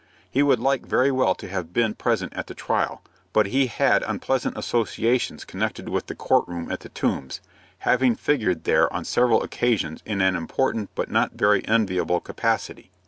He would like very well to have been present at the trial; but he had unpleasant associations connected with the court room at the Tombs, having figured there on several occasions in an important but not very enviable capacity.